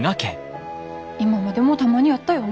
今までもたまにあったよね。